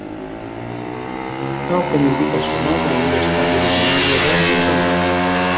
Tal com indica el seu nom, hauria estat originària de Montpeller.